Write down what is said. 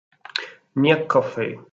Nia Coffey